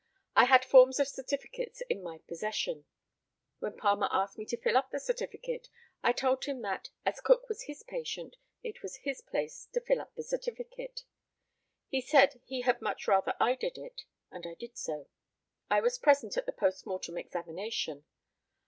I had forms of certificates in my possession. When Palmer asked me to fill up the certificate I told him that, as Cook was his patient, it was his place to fill up the certificate. He said he had much rather I did it, and I did so. I was present at the post mortem examination.